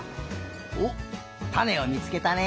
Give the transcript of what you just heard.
おったねをみつけたね。